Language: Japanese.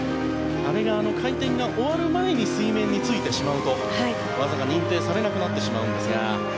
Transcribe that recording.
回転が終わる前に水面についてしまうと技が認定されなくなってしまうんですが。